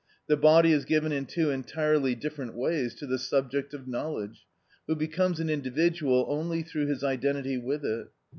The body is given in two entirely different ways to the subject of knowledge, who becomes an individual only through his identity with it.